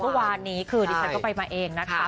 เมื่อวานนี้คือดิฉันก็ไปมาเองนะคะ